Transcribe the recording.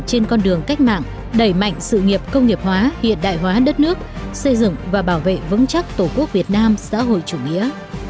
trên con đường cách mạng đẩy mạnh sự nghiệp công nghiệp hóa hiện đại hóa đất nước xây dựng và bảo vệ vững chắc tổ quốc việt nam xã hội chủ nghĩa